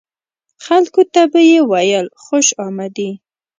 خلکو ته به یې ویل خوش آمدي.